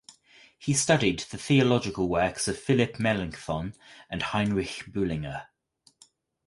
He studied the theological works of Philip Melanchthon and Heinrich Bullinger.